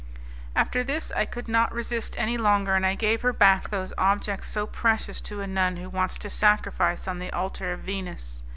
After this I could not resist any longer, and I gave her back those objects so precious to a nun who wants to sacrifice on the altar of Venus.